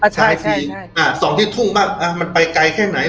ใช่ส่องที่ทุ่งบ้างมันไปไกลแค่ไหน